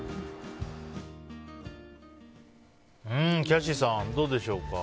キャシーさんどうでしょうか？